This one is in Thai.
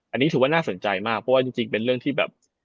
อันนี้ถือว่าน่าสนใจมากเพราะว่าจริงเป็นเรื่องที่แบบ